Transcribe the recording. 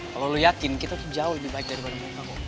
kalau lo yakin kita tuh jauh lebih baik daripada bunga kok